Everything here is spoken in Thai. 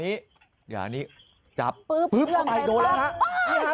เดี๋ยวอันนี้จับปึ๊บออกมาโดนแล้วนะฮะ